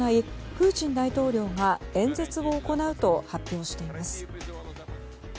プーチン大統領が演説を行うと発表しています。